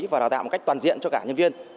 và đào tạo một cách toàn diện cho cả nhân viên